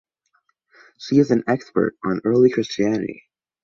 She is an expert on early Christianity.